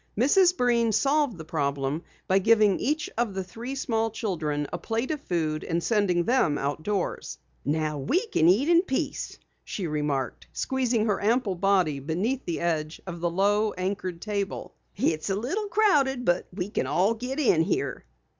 Mrs. Breen solved the problem by giving each of the three small children a plate of food and sending them outdoors. "Now we can eat in peace," she remarked, squeezing her ample body beneath the edge of the low, anchored table. "It's a little crowded, but we can all get in here."